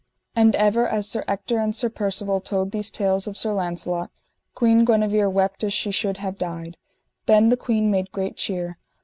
And ever as Sir Ector and Sir Percivale told these tales of Sir Launcelot, Queen Guenever wept as she should have died. Then the queen made great cheer.